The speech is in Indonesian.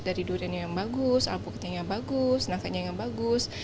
dari duriannya yang bagus alpuktinya bagus nangkanya yang bagus